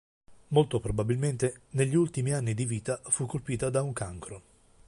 Molto probabilmente negli ultimi anni di vita fu colpita da un cancro.